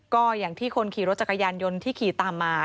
ก็อย่างที่คนขี่รถจักรยานยนต์ที่ขี่ตามมา